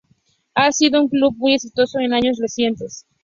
Ha sido un club muy exitoso en años recientes.